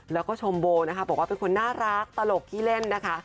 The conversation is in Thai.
แล้วก็ชมโบนะคะบอกว่าเป็นคนน่ารักตลกขี้เล่นนะคะ